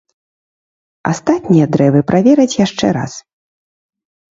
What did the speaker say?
Астатнія дрэвы правераць яшчэ раз.